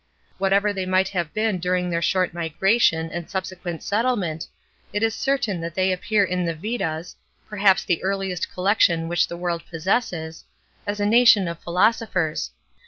Whatever they may have been during their short migration and subsequent settlement, it is certain that they appear in the Vedas—perhaps the earliest collection which the world possesses—as a nation of philosophers.